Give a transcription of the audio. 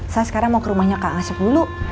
saya sekarang mau ke rumahnya kang asep dulu